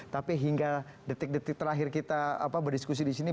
tapi hingga detik detik terakhir kita berdiskusi di sini